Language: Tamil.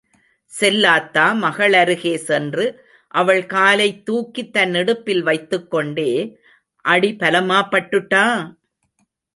செல்லாத்தா மகளருகே சென்று அவள் காலைத் தூக்கி தன் இடுப்பில் வைத்துக் கொண்டே, அடி பலமாப் பட்டுட்டா..?